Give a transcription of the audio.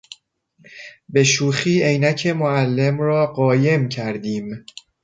به شوخی عینک معلم را قایم کردیم.